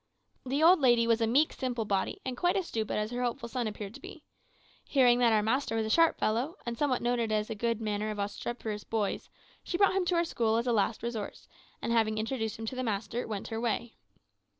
The old lady was a meek, simple body, and quite as stupid as her hopeful son appeared to be. Hearing that our master was a sharp fellow, and somewhat noted as a good manager of obstreperous boys, she brought him to our school as a last resource, and having introduced him to the master, went her way.